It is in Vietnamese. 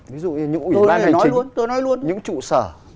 ví dụ như những ủy ban hành trình những trụ sở